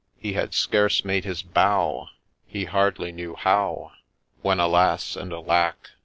He had scarce made his bow, He hardly knew how, When alas ! and alack